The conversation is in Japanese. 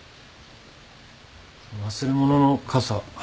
忘れ物の傘。